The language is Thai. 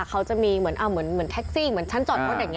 เขาจะมีเหมือนเทคซิงเหมือนชั้นจอดเพราะไหนอย่างนี้